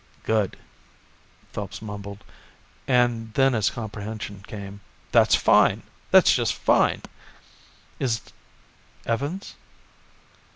"Good," Phelps mumbled, and then as comprehension came; "That's fine! That's just line! Is Evans